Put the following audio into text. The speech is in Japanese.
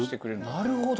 なるほど！